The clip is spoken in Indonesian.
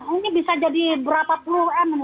ini bisa jadi berapa puluh m